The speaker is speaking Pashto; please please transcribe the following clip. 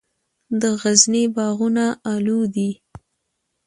د غزني باغونه الو دي